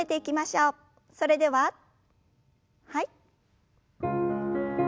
それでははい。